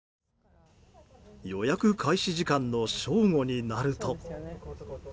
予約開始時間の正午になると。